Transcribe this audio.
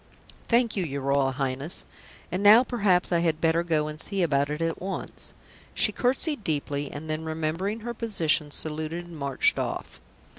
"Thank you, your Royal Highness. And now perhaps I had better go and see about it at once." She curtsied deeply, and then, remembering her position, saluted and marched off.